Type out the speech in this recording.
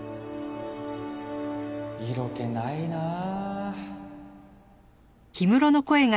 色気ないなあ。